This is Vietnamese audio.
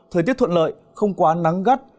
thời tiết thuận lợi không quá nắng gắt